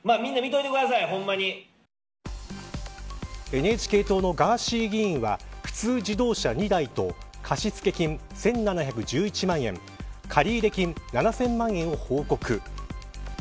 ＮＨＫ党のガーシー議員は普通自動車２台と貸付金１７１１万円借入金７０００万円を報告。